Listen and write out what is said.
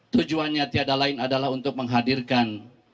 tujuannya tiada lain adalah untuk menghadirkan